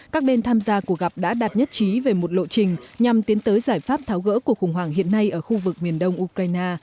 các bên tham gia cuộc gặp đã đạt nhất trí về một lộ trình nhằm tiến tới giải pháp tháo gỡ cuộc khủng hoảng hiện nay ở khu vực miền đông ukraine